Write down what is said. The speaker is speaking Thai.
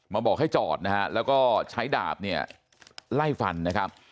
บอกให้จอดนะฮะแล้วก็ใช้ดาบเนี่ยไล่ฟันนะครับ